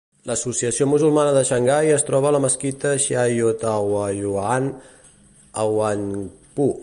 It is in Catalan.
L'Associació musulmana de Xangai es troba a la mesquita Xiaotaoyuan a Huangpu.